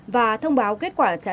và thông báo kết quả trả lời